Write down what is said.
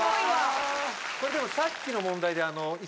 これでもさっきの問題で。